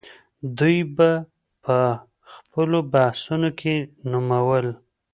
دوی به په خپلو بحثونو کې نومول.